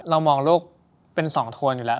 เรามองลูกเป็น๒โทนอยู่แล้ว